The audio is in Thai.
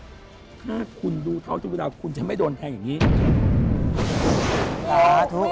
ถ้าคุณดูท้องทุกเวลาคุณจะไม่โดนแทงอย่างนี้